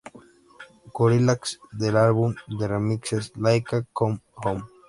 Gorillaz, del álbum de remixes Laika Come Home.